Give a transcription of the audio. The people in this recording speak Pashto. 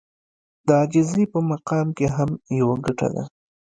د عاجزي په مقام کې هم يوه ګټه ده.